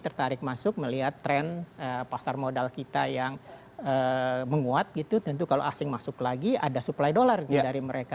tertarik masuk melihat tren pasar modal kita yang menguat gitu tentu kalau asing masuk lagi ada supply dollar dari mereka